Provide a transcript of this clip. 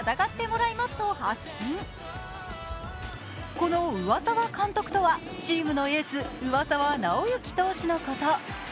この上沢監督とはチームのエース・上沢直之投手のこと。